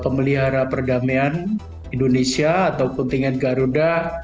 pemelihara perdamaian indonesia atau kontingen garuda